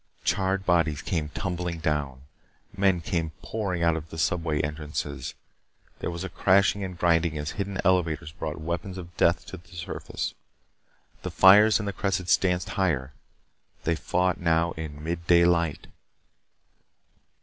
Charred bodies came tumbling down. Men came pouring out of the subway entrances. There was a crashing and grinding as hidden elevators brought weapons of death to the surface. The fires in the cressets danced higher. They fought now in mid day light.